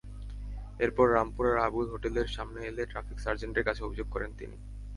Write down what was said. এরপর রামপুরার আবুল হোটেলের সামনে এলে ট্রাফিক সার্জেন্টের কাছে অভিযোগ করেন তিনি।